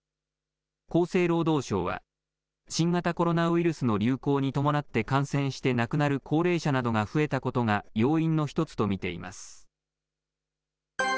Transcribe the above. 厚生労働省は、新型コロナウイルスの流行に伴って感染して亡くなる高齢者などが増えたことが要因の一つと見ています。